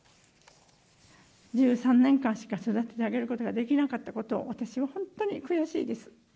１３年間しか育てられることができなかったことを、私は本当に悔しいです。